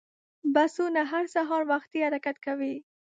بسونه هر سهار وختي حرکت کوي.